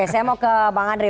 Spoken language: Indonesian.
terus kita mau ke bang andre